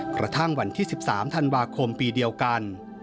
กระทั่งวันที่๑๓ธันวาคมปีเดียวกัน